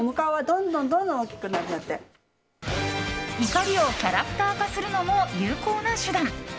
怒りをキャラクター化するのも有効な手段。